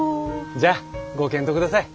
じゃあご検討下さい。